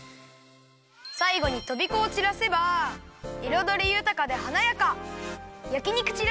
さいごにとびこをちらせばいろどりゆたかではなやか！